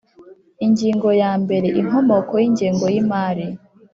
Ingingo ya mbere Inkomoko y ingengo y imari